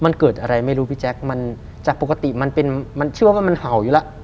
มันเกิดอะไรไม่รู้พี่แจ๊คมันจากปกติมันเป็นมันเชื่อว่ามันเห่าอยู่แล้ว